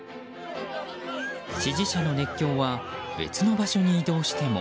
支持者の熱狂は別の場所に移動しても。